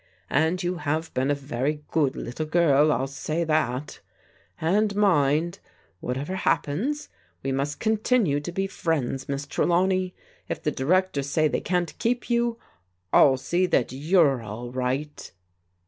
And you have been a very good little girl, 111 say « THE GOOD FRIEND'' 221 tHat. And mind, whatever happens, we must continue to be friends. Miss Trelawney. If the directors say they can't keep you, I'll see that you're all right."